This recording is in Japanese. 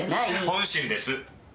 本心です。